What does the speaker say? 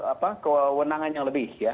ya jadi punya kewenangan yang lebih ya